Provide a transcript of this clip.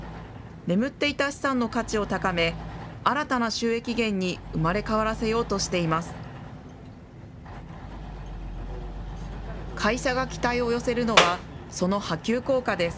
眠っていた資産の価値を高め、新たな収益源に生まれ変わらせようとしています。